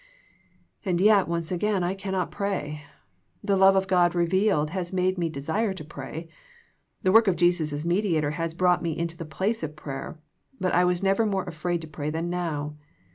And yet once again, I cannot pray. The love of God revealed has made me desire to pray. The work of Jesus as Mediator has brought me into the place of prayer, but I was never more afraid to pray than now.